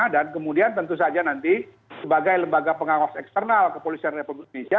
dan kemudian tentu saja nanti sebagai lembaga pengawas eksternal kepolisian republik indonesia